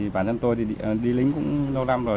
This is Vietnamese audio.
bản thân tôi thì đi lính cũng lâu năm rồi